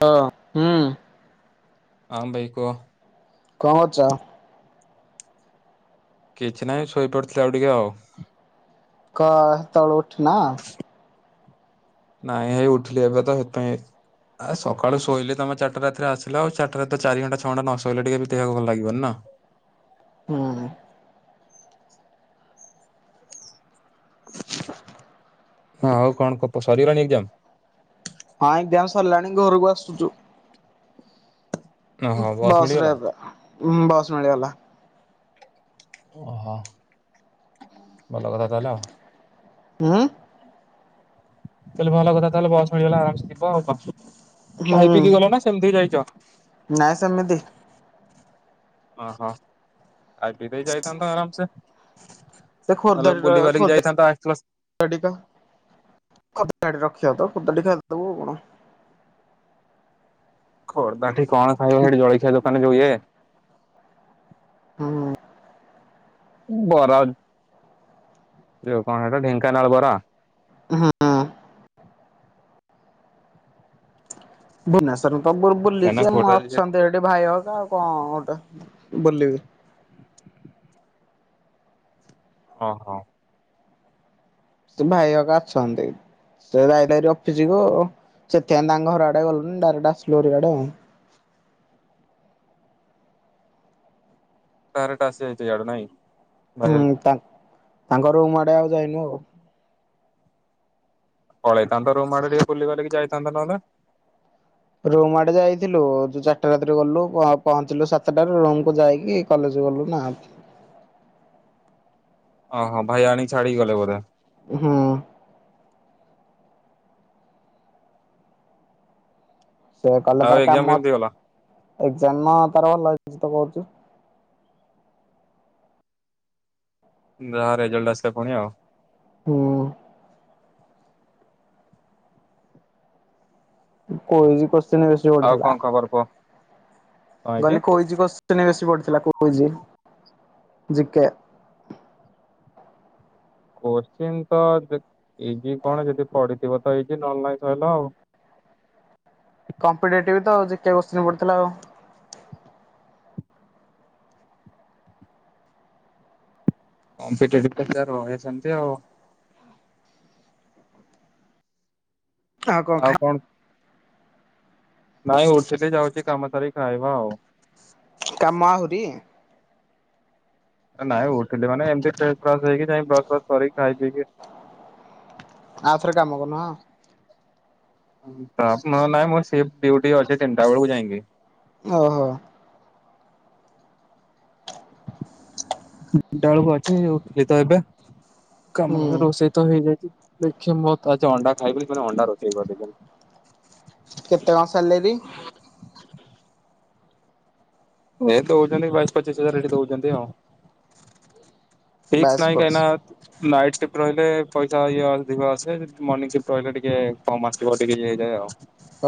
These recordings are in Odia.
ହଁ ହୁଁ। ହଁ ଭାଇ କୁହ। କଣ କଚ କିଛି ନାହିଁ ଶୋଇପଡିଥିଲା ଆଉ ଟିକେ ଆଉ। କ ହେତଲୁ ଉଠି ନ ନାଇଁ ହେଇ ଉଠିଲି ଏବେ ତ ସେଥିପାଇଁ ଆ ସକାଳୁ ଶୋଇଲି ତମେ ଚାରିଟା ରାତିରେ ଆସିଲ ଆଉ ଚାରିଟା ରାତି ତ ଚାରି ଘଣ୍ଟା ଛଅ ଘଣ୍ଟା ନସୋଇଲେ ଟିକେ ବି ଦେଖିବାକୁ ଭଲ ଲାଗିବନି ନା ହଁ। [inaudible] ହଁ ଆଉ କଣ କ ସରୀରନି ଏକଦମ୍ [inaudible] ହଁ ଏଜାମ୍ ସରିଲାଣି ଘରକୁ ଆସୁଚୁ, ଓହୋ ବସ୍ ବସ [unintelligible] ମିଳିଗଲା ହଁ ବସ ମିଳିଗଲା ଓହୋ [inaudible] ଭଲ କଥା ତାହେଲେ ଆଉ ହୁଁ। ତାହେଲେ ଭଲ କଥା ତାହେଲେ ବସ ମିଳଗଲା ଆରାମସେ ଯିବ ଆଉ କ ହୁଁ ଖାଇ ପିଇକି ଗଲେ ନା ସେମିତି ଯାଇଚ? [inaudible] ନାଇଁ ସେମିତି ଓ ହୋ ଆ ବିଦେଯାଇଥାନ୍ତ ତ ଆରାମ ସେ [inaudible] ସେ ଖୋର୍ଦ୍ଦାରେ ଖୋର୍ଦ [unintelligible] ରଖି [unintelligible] ତ ଖୋର୍ଦ୍ଧାଟି ଛାଡ଼ିଦବୁ କଣ। ଖୋର୍ଦ୍ଧା ଠି କଣ ଖାଇବା ହେଠି ଜଳଖିଆ ଦୋକାନରେ ଯଉ ଇଏ ହୁଁ। ବରା ଯଉ କଣ ହେଟା ଢେଙ୍କାନାଳ ବରା। ହୁଁ। ଭୁବନେଶ୍ୱରୁ ସବୁ କାହିଁକି ନା ବୁଲିଚି। ଆମର ଖୋର୍ଦ୍ଧା ଅଛନ୍ତି ଏଠି ଭାଇ ହ କା ଆଉ କଣ ଗୋଟେ। ବୋଲିବେ। ଅ ହୋ। ସେ ଭାଇହକା ଅଛନ୍ତି। ସେ [unintelligible] ଅଫିସ ଯିବ। ସେଥିପାଇଁ ତାଙ୍କ ଘର ଆଡେ ଗଲୁନି। ଡାଇରେକ୍ଟ ଆସିଲୁ ହରି ଆଡ଼େ। କାରଟା ଆସିଯାଇଛି ଆଡେ ନାଇଁ। ଭାଇ ହୁଁ ତାଙ୍କ ତାଙ୍କ ରୁମ୍ ଆଡେ ଆଉ ଯାଇନୁ ଆଉ। ପଳେଇଥାନ୍ତ ରୁମ ଆଡ଼େ ଟିକେ ବୁଲି ବାଲିକି ଯାଇଥାନ୍ତ ନହେଲେ। ରୁମ ଆଡେ ଯାଇଥିଲୁ ଯ ଚାରିଟା ରାତିରେ ଗଲୁ, ପହଞ୍ଚିଲୁ ସାତଟାରୁ ରୁମକୁୁ ଯାଇକି କଲେଜ ଗଲୁ ନା। ଓହୋ ଭାଇ ଆଣିକୁ ଛାଡିିକି ଗଲେ ବୋଧେ। ହୁଁ। ସେ କଲେ ଆଉ ତାର ଏକ୍ଜାମ କାମ କେମିତି ଗଲା? ଅ ଏକ୍ଜାମ ନା ତାର ଭଲ ହେଇ ଆଜି ତ ବାହରୁଛି। ଯା ରେଜଲଟ ଆସିଲେ ପୁଣି ଆଉ। ହୁଁ। କହୁଚି କସି ଶ୍ଚିନ ବେଶୀ ଆଉ ପଡ଼ିଥିଲା। କଣ ଖବର କୁହ କଣ ହେଇଛି ଗଲି କହୁଚି କୋସଚିନ ବେଶୀ ପଡିଥିଲା କଉଚି। G K. କୋଶଚିିନ ତ ଦେ ଇଜି କଣ ଯଦି ପଢିଥିବ ତ ଇଜି ନହେଲେ ନାଇଁ ସରଲା ଆଉ। କମ୍ପିଟେଟିଭ୍ ରେ ତ ଜି କେ କୋସଚୀନ ପଡିଥିଲା ଆଉ। କମ୍ପିଟେଟିଭି ଟା ତ ରହେ ସେମିତି ଆଉ। ଆଉ କଣ? ନାଇଁ ଉଠିଲି, ଯାଉଚି କାମ ସାରି ଖାଇବା ଆଉ। କାମ ଆହୁରି? ନାଇଁ ଉଠିଲି ମାନେ ଏମିତି ଫ୍ରେଶ ଫ୍ରାସ ହେଇକି ଯାଇ ବ୍ରସ ଫ୍ରସ କରିକି ଖାଇ ପିଇକି ଆଉଥରେ କାମ କରୁନ ଅଁ [inaudible] ତ ମ ନା ମ ସିଫ୍ଟ ଡିୟୁଟି ଅଛି ତିନଟା ବେଳକୁ ଯାଇକି। ଅହୋ। ତିନିଟା ବେଳକୁ ଅଛି, ଉଠିଲି ତ ଏବେ। ହୁଁ କାମ ରୋଷେଇ ତ ହେଇଯାଇଚି। ଦେଖିଆ ମୁଁ ତ ଆଜି ଅଣ୍ଡା ଖାଇବିନି, କଣ ଅଣ୍ଡା ରୋଷେଇ କରିଦେଇଚନ୍ତି। କେତେ କଣ ସାଲାରୀ? [unintelligible] ଏ ଦଉଛନ୍ତି ବାଇଶ ପଚିଶ ହଜାର ଏଠି ଦଉଛନ୍ତି ଆଉ। ଫିକ୍ସ ବାସ୍ ନାହିଁ ବକ୍ସ କାଇଁନା ନାଇଟ ସିଫ୍ଟ ଏଠି ରହିଲେ ପଇସା ଇଏ ଅଧିକ ଆସେ ମର୍ଣିଂ ସିଫ୍ଟ ରହିଲେ ଟିକେ କମ ଆସିବ ଟିକେ ଇଏ ହେଇଯାଏ ଆଉ।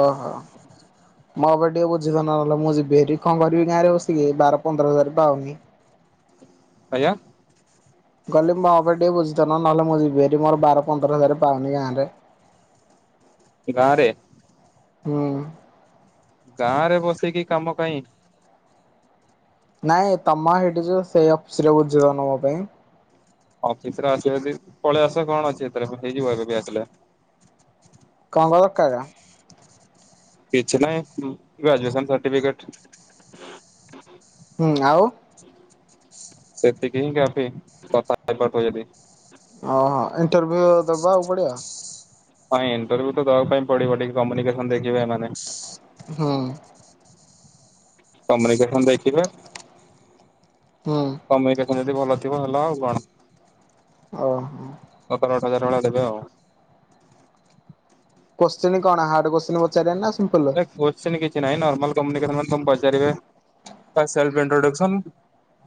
ଓହୋ ମୁଁ ଭାବି ଟିକେ ବୁଝି ଦଉନ ନହେଲେ ମୁଁ ଯିବି ସେଠିକି କଣ କରିବି ଗାଁରେ ବସିକି ବାର ପନ୍ଦର ହଜାର ପାଉନି। ଆଜ୍ଞା। କହିଲି ମୋ ପାଇଁ ଟିକେ ବୁଝି ଦଉନ ନହେଲେ ମୁଁ ଯିବି ହେରି ମୋର ବାର ପନ୍ଦର ହଜାର ପାଉନି ଗାଁରେ। ଏଇ ଗାଁରେ ହୁଁ। ଗାଁ ରେ ବସିକି କାମ କାହିଁ। ନାଇଁ ତମ ହେଇଠି ଯୋଉ ସେଇ ଅଫିସରେ ବୁଝି ଦଉନ ମୋ ପାଇଁ। ଅଫିସ ରେ ଆସିବ ଯଦି ପଳେଇ ଆସ କଣ ଅଛି ଏଥିରେ ହେଇଯିବ ଏବେବି ଆସିଲେ। କଣ କଣ ଦରକାର? କିଛି ନାହିଁ ଗ୍ରାଜୁଏସନ ସାର୍ଟିଫିକେଟ। ହୁଁ ଆଉ ସେତିକି ହିଁ କାଫି [inaudible] ଓହୋ। ଇଣ୍ଟର୍ଭ୍ୟୁ ଦବାକୁ ପଡିବ? ହଁ ଇଣ୍ଟରଭ୍ୟୁ ତ ଦବା ପାଇଁ ପଡିବ ଟିକେ କମ୍ୟୁନିକେସନ ଦେଖିବେ ଏମାନେ। ହୁଁ। କମ୍ୟୁନିକେସ ସନ୍ ଦେଖିବେ ହୁଁ। କମୁନିକେସ ଯଦି ଭଲ ଥିବ ହେଲ ଆଉ କଣ। ଓହୋ। ପନ୍ଦର ହଳ ଦେବେ ଆଉ। କୋଶ୍ଚିନ କଣ ହାର୍ଡ କୋଶ୍ଚିନ ପଚାରିବେ ନା ସିମ୍ପଲ? ଆରେ କୋଶ୍ଚିନ କିଛି ନାଇଁ ନର୍ମାଲ କମ୍ୟୁନିକେସନ ସନ୍ ପଚାରିବେ ସେଲ୍ଫ ଇଣ୍ଟ୍ରୋଡକସନ୍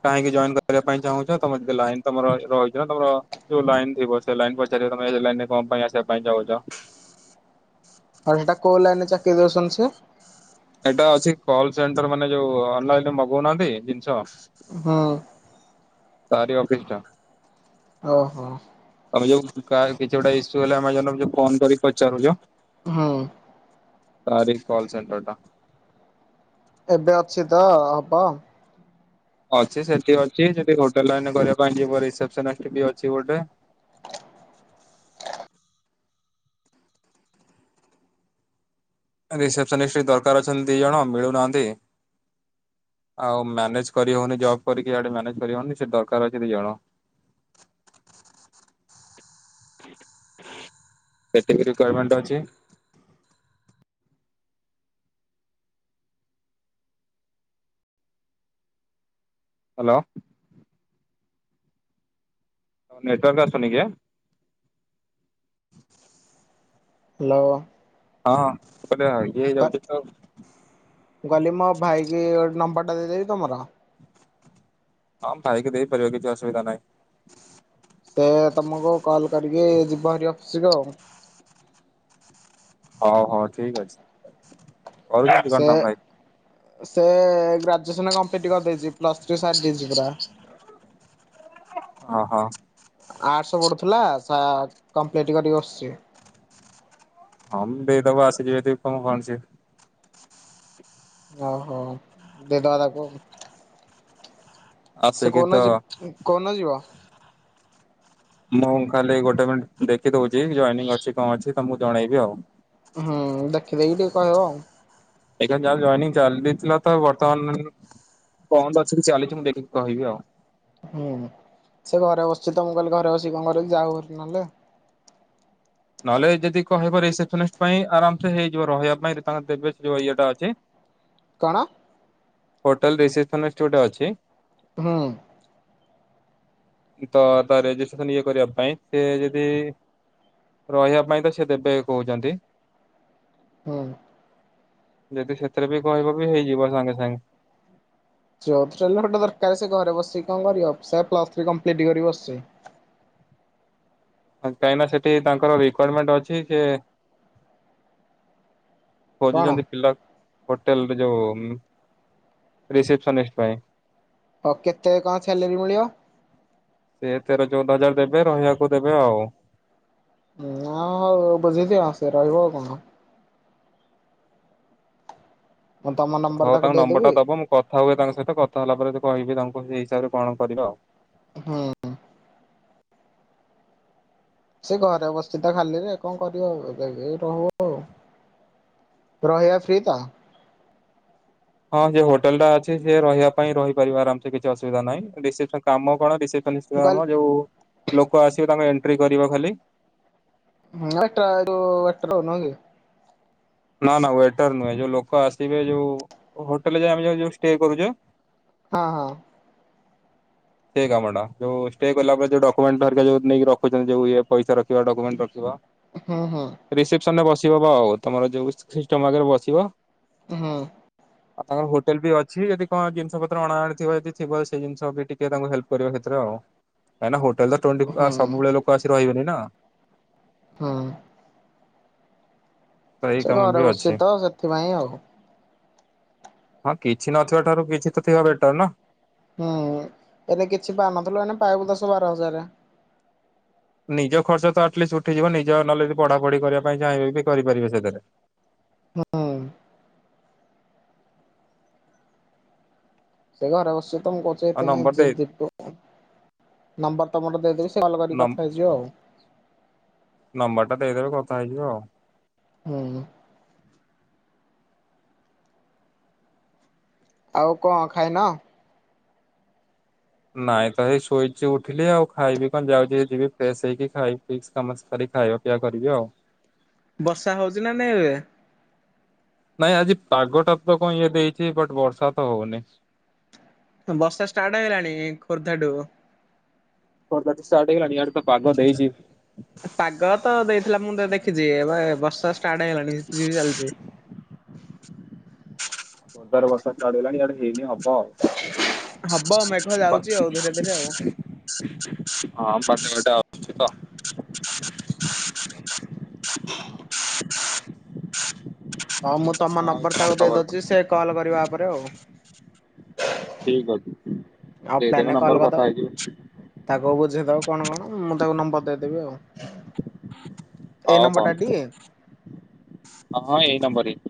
କାହିଁକି ଜଏନ କରିବା ପାଇଁ ଚାହୁଁଛ ତମର ଯଦି ଲାଇନ ତମର ରହିଛି ତମର ଯୋଉ ଲାଇନ ଥିବ ସେ ଲାଇନ ପଚାରିବେ ତମେ ଲାଇନ କଣ ପାଇଁ ଆସିବା ପାଇଁ ଚାହୁଁଛ। ଆଉ ସେଟା କୋଉ ଲାଇନରେ ଚାକିରୀ ଦଉଛନ୍ତି ସେ? ଏଇଟା ଅଛି କଲ ସେଣ୍ଟର ମାନେ ଯୋଉ ଅନଲାଇନରେ ମଗଉନାହାଁନ୍ତି ଜିନିଷ ହଁ। ତାରି ଅଫିସ ଟା। ଓହୋ। ତମେ ଯୋଉ କାହାର କିଛି ଗୋଟେ ଇସ୍ୟୁ ହେଲେ ଆମେ ଫୋନ କରି ପଚାରୁଚ ହଁ। ତାରି କଲ ସେଣ୍ଟର ଟା। ଏବେ ଅଛି ତ ହବ। ଅଛି ସେଠି ଅଛି ଯଦି ହୋଟେଲ କରିବା ପାଇଁ ଯିବ ରିସେପସନ ଅଛି ଗୋଟେ। ରିସେସ୍ପନିଷ୍ଟ ଦରକାର ଅଛନ୍ତି ଦି ଜଣ ମିଳୁନାହାନ୍ତି। ଆଉ ମ୍ୟାନେଜ କରିହଉନି ଜବ କରିକି ଇଆଡେ ମ୍ୟାନେଜ କରିହେଉନି ସେ ଦରକାର ଅଛି ଦି ଜଣ ଏତିକି ରିକ୍ୟାରିମେଣ୍ଟ ଅଛି। ହାଲୋ। ତମ ନେଟୱର୍କ୍ ଆସୁନ କେ? ହାଲୋ। ହଁ। କହିଲେ ଇଏ ତ ହେଇଯାଉଛି ଗଲି ମୋ ଭାଇକି ନମ୍ବରଟା ଦେଇଦେବି। ତମର ହଁ ଭାଇକି ଦେଇପାରିବେ କିଛି ଅସୁବିଧା ନାଇଁ। ସେ ତମକୁ କଲ କରିକି ଯିବ ହେରି ଅଫିସକୁ ଆଉ। ହଉ ହଉ ଠିକ ଅଛି। କରୁଛନ୍ତି ସେ କଣ ତମ ଭାଇ? ସେ ଗ୍ରାଜୁଏସନ କମ୍ପ୍ଲିଟ କରିଦେଇଚି ପ୍ଲସ ଥ୍ରୀ ସାରି ଦେଇଚି ପୁରା। ଓ ହୋ। ଆର୍ଟସ ପଢୁଥିଲା ସା କମ୍ପ୍ଲିଟ କରିକି ବସଚି। ହଁ ଦେଇଦବ ଆସିକି ଯଦି [unintelligible] ଓ ହୋ ଦେବା ତାକୁ। ସେ ଆସିକି ତ କୋଉଦିନ ଯି କୋଉଦିନ ଯିବ? ମୁଁ ଖାଲି ଗୋଟେ ମିନିଟ ଦେଖି ଦଉଚି ଜଏନିଂ ଅଛି କଣ ଅଛି ତମକୁ ଜଣେଇବି ଆଉ। ଠିକ୍ ଅଛି ଟିକେ କହିବ ଆଉ। ଏ ଯାଏଁ ଯାହା ଜଏନିଂ ଚାଲିଥିଲା ତ ବର୍ତ୍ତମାନ ବନ୍ଦ ଅଛି ଚାଲିଛି ମୁଁ ଦେଖିକି କହିବି ଆଉ। ହୁଁ ସେ ଘରେ ବସିଛି ତ ମୁଁ କହିଲି ଘରେ ବସିିକି କଣ କରିବ ଯାଉ ନହେଲେ। ନହେଲେ ଯଦି କହିବ ରିସେପସନିଷ୍ଟ ପାଇଁ ଆରାମ ସେ ହେଇଯିବ ରହିବା ପାଇଁ ତାଙ୍କ ଦେବେ ଯୋଉ ଇଏଟା ଅଛି। କଣ? ହୋଟେଲ [unintelligible] ଗୋଟେ ଅଛି। ହଁ। ତ ତା ରେଜିଷ୍ଟ୍ରେସନ ଇଏ କରିବା ପାଇଁ ସେ ଯଦି ରହିବା ପାଇଁ ତ ସେ ଦେବେ କହୁଚନ୍ତି। ହୁଁ। ଯଦି ସେଥିରେ ବି କହିବ ବି ହେଇଯିବ ସାଙ୍ଗେ ସାଙ୍ଗେ। ଜବଚାଲିଲେ ଗୋଟେ ଦରକାର ସେ ଘରେ ବସିକି କଣ କରିବ ସେ ପ୍ଲସ ଥ୍ରୀ କମ୍ପଲିଟ କରି ବସିଚି। କାହିଁ ନା ସେଠି ତାଙ୍କର ରିକ୍ୱାରମେଣ୍ଟ ଅଛି ସେ କଣ ଖୋଜୁଚନ୍ତି ପିଲା ହୋଟେଲ ର ଯୋଉ ରିସେପସନିଷ୍ଟ ପାଇଁ। ହଉ କେତେ କଣ ସାଲେରୀ ମିଳିବ? ସେ ତେର ଚଉଦ ହଜାର ଦେବେ ରହିବାକୁ ଦେବେ ଆଉ। ହଁ ହଉ ବୁଝି ଦିଅ ସେ ରହିବ ଆଉ କଣ। ମୁଁ ତମ ନମ୍ବର ହଉ ତାକୁ ତାଙ୍କ ନମ୍ବର ଟା ଦେଇଦେବି ଦବ ମୁଁ କଥା ହୁଏ ତାଙ୍କ ସହିତ କଥା ହେଲା ପରେ ଯ କହିବି ତାଙ୍କୁ। ସେଇ ହିସାବରେ କଣ କରିବା ଆଉ। ହୁଁ। ସେ ଘରେ ବସି ତ ଖାଲିରେ କଣ କରିବ ଆଉ ଏଇ ରହୁ ଆଉ ରହିବା ଫ୍ରି ତ। ହଁ ସେ ହୋଟେଲ୍ ଟା ଅଛି ସେ ରହିବା ପାଇଁ ରହିପାରିବ ଆରାମସେ କିଛି ଅସୁବିଧା ନାହିଁ। ରିସେପସନ କାମ କଣ? ରିସେ ମୁଁ କହିଲି [unintelligible] ଯୋଉ ଲୋକ ଆସିବେ ତାଙ୍କ ଏଣ୍ଟ୍ରି କରିବ ଖାଲି। ହେଟା ଯୋଉ ୱାଟର ନୁହେଁ କି? ନା ନା ୱେଟର ନୁହେଁ ଯୋଉ ଲୋକ ଆସିବେ ଯୋଉ ହୋଟେଲ ଯାଇ ଆମେ ଯୋଉ ଷ୍ଟେ କରୁଚେ? ହଁ ହଁ। ସେ କାମଟା ଯୋଉ ଷ୍ଟେ କଲା ପରେ ଯୋଉ ଡକୁମେଣ୍ଟ ଧରିକା ଯୋଉ ନେଇକି ରଖୁଛନ୍ତି ଯୋଉ ଇଏ ପଇସା ରଖିବା ଡକୁମେଣ୍ଟ ରଖିବା ହୁଁ ହୁଁ ରିସପ୍ସନ୍ ରେ ବସି [unintelligible] ତମର ଯୋଉ ସିଷ୍ଟମ୍ ଆଗରେ ବସିବ। ହୁଁ। ଆଉ ତାଙ୍କର ହୋଟେଲ ବି ଅଛି ଯଦି କଣ ଜିନିଷ ପତ୍ର ଅଣା ଅଣିଥିବ ଯଦି ଥିବ ସେଇ ଜିନିଷ ବି ଟିକେ ସେ ତାଙ୍କୁ ହେଲ୍ପ୍ କରିବ ସେଥିର ଆଉ କାହିଁକି ନା ହୋଟେ ହୋଟେଲ ତ ଟୱଣ୍ଟି ଫୋର୍ ହୁଁ ଆୱାରସ୍ ସବୁବେଳେ ଲୋକ ଆସି ରହିବେନି। ତ ହଁ। ତ ଏଇ ସେ କାମ ଘରେ ବି ବସିଛି ଅଛି। ତ ସେଥିପାଇଁ ଆଉ। ହଁ କିଛି ନଥିବା ଠାରୁ କିଛି ତ ଥିବା ବେଟର ନା। ହୁଁ, ଏବେ କିଛି ପାଉନଥିଲୁ। ଏଇନୁ ପାଇବୁ ଦଶ ବାର ହଜାର। ନିଜ ଖର୍ଚ୍ଚ ତ ଆଟଲିଷ୍ଟ ଉଠିଯିବ। ନିଜ ନଲେଜ ପଢାପଢି କରିବା ପାଇଁ ଚାହିଁବେ ବି କରିପାରିବେ ସେଥିରେ। ହୁଁ। ସେଇ ଘରେ ବସିଛି। ଆଉ ନମ୍ବର ଦେଇ [unintelligible] ନମ୍ବର ତମର ଦେଇଦେବି ସେ କଲ୍ କରି କଥା ହେଇଯିବ ଆଉ। ନମ୍ବର ଟା ତ ଦେଇଦେବେ କଥା ହେଇଯିବି ଆଉ। ହୁଁ। ଆଉ କଣ ଖାଇନ? ନାଇଁ, ତ ଏଇ ଶୋଇଛି ଉଠିଲି, ଆଉ ଖାଇବି କଣ? ଯାଉଛି, ଏ ଯିବି ଫ୍ରେଶ ହେଇକି, ଖାଇ ପିଇ କାମ ସାରି ଖାଇବା ପିଇବା କରିବି ଆଉ। ବର୍ଷା ହଉଛି ନା ନାଇଁ ଏବେ। ନାଇଁ ଆଜି ପାଗଟା ତ କଣ ଇଏ ଦେଇଛି ବଟ ବର୍ଷା ତ ହଉନି। ବର୍ଷା ଷ୍ଟାର୍ଟ ହେଇଗଲାଣି ଖୋର୍ଦ୍ଧା ଠୁ ଖୋର୍ଦ୍ଧାଠୁ ଷ୍ଟାର୍ଟ ହେଇଗଲାଣି, ଇଆଡେ ତ ପାଗ ଦେଇଛି। ପାଗ ତ ଦେଇଥିଲା, ମୁଁ ତ ଦେଖିଛି, ଏବେ ବର୍ଷା ଷ୍ଟାର୍ଟ ହେଇ ଗଲାଣି। ଝିପ୍ ଝିପ୍ ଚାଲଛି। ଖୋର୍ଦ୍ଧା ରୁ ବର୍ଷା ଷ୍ଟାର୍ଟ ହେଇ ଗଲାଣି। ଏଆଡେ ହେଇନି, ହବ। ହବ ମେଘ ହବ ଯାଉଛି ଆଉ ଧୀରେ ଧୀରେ ଆଉ। ହଁ [unintelligible] ଆ। ପାଞ୍ଚଟା [unintelligible] ଆସଛି ତ। ହଁ ମୁଁ ତମ ଆଉ ନମ୍ବର କଣ ତାକୁ ଦେଇ ଖବର କହ? ଦଉଛି ସେ କଲ୍ କରିବା ଆଉ ଠିକ ଅଛି [unintelligible] ଆଉ ଦେଇଦେବେ ପ୍ଲାନରେ ନମ୍ବର କଲ କଥା କରିଦବ ହେଇଯିବେ ତାକୁ ବୁଝେଇ ଦବ କଣ କଣ ମୁଁ ତାକୁ ନମ୍ବର ଦେଇ ଦେବି ଆଉ ଏଇ ହଉ ନମ୍ବରଟା ଟି? ହଁ ହଁ ଏଇ ନମ୍ବର ହି।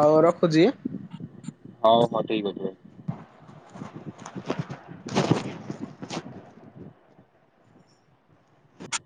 ହଉ ରଖୁଛି। ହଉ ହଁ ଠିକ୍ ଅଛି ଭାଇ।